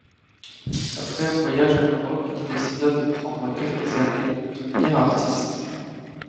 Après un voyage en Europe il décida de prendre quelques années pour devenir artiste.